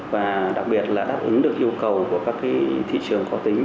và đặc biệt là đáp ứng được yêu cầu của các cái thị trường kho tính